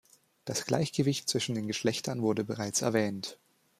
Das Gleichgewicht zwischen den Geschlechtern wurde bereits erwähnt.